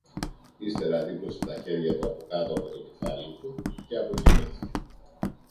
Ύστερα δίπλωσε τα χέρια του αποκάτω από το κεφάλι του και αποκοιμήθηκε.